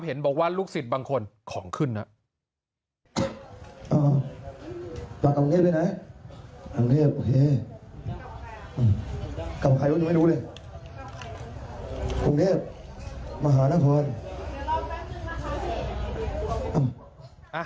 เห็นบอกว่าลูกศิษย์บางคนของขึ้นนะ